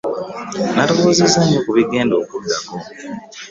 Nalowoozezza nnyo ku bigenda okuddako.